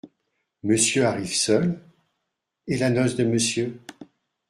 Monsieur arrive seul ?… et la noce de Monsieur ?…